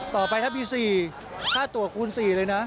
ต่อไปถ้าพี่๔ค่าตัวคูณ๔เลยนะ